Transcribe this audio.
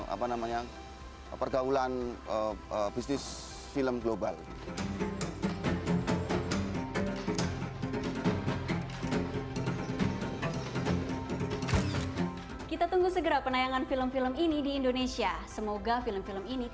apa namanya pergaulan bisnis film global